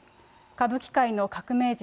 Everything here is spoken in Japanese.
歌舞伎界の革命児